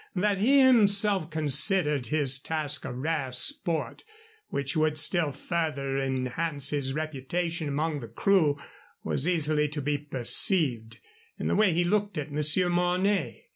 That he himself considered his task a rare sport, which would still further enhance his reputation among the crew, was easily to be perceived in the way he looked at Monsieur Mornay.